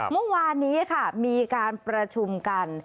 เมื่อวานนี้ค่ะมีการประชุมกัน